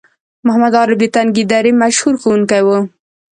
محمد عارف د تنگي درې مشهور ښوونکی وو